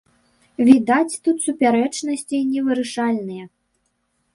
Відаць, тут супярэчнасці невырашальныя.